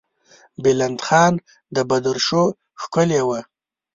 بلند خان د بدرشو کښلې وه.